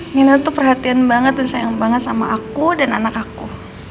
nginal tuh perhatian banget dan sayang banget sama aku dan anak aku